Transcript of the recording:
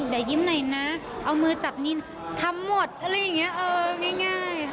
อย่ายิ้มหน่อยนะเอามือจับนินทำหมดอะไรอย่างนี้เออง่าย